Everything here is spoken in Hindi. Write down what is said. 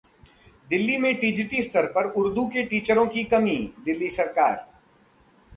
दिल्ली में टीजीटी स्तर पर उर्दू के टीचर्स की कमी: दिल्ली सरकार